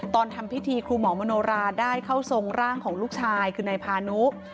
ทำพิธีครูหมอมโนราได้เข้าทรงร่างของลูกชายคือนายพานุ